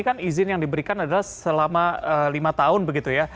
dan izin yang diberikan adalah selama lima tahun begitu ya